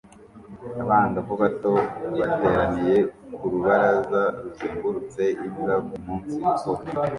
Abangavu bato bateraniye ku rubaraza ruzengurutse imbwa ku munsi ukonje